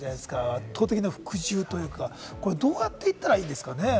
圧倒的な服従というか、どうやっていったらいいですかね？